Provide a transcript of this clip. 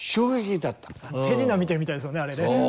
手品見てるみたいですよねあれね。